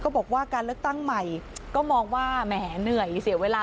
บอกว่าการเลือกตั้งใหม่ก็มองว่าแหมเหนื่อยเสียเวลา